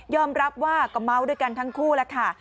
รับว่าก็เมาด้วยกันทั้งคู่แล้วค่ะ